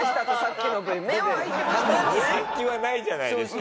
球に殺気はないじゃないですか。